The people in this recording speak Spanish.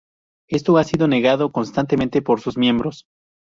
Esto ha sido negado constantemente por sus miembros.